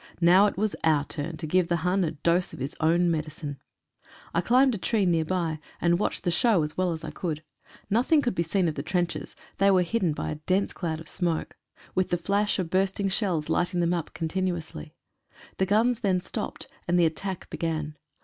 Now it was our turn to give the Hun a dose of his own medicine. I climbed a tree near by and watched the show as well as I could. Nothing could be seen of the trenches ; they were hidden by dense clouds of smoke,. 121 MEERUT DIVISION LEADS. •with the flash of bursting shells lighting them up continu ously. The guns then stopped, and the attack began.